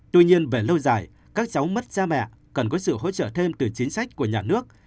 tuy nhiên về lâu dài các cháu mất cha mẹ cần có sự hỗ trợ thêm từ chính sách của nhà nước